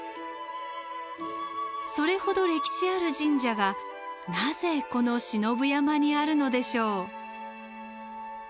それほど歴史ある神社がなぜこの信夫山にあるのでしょう？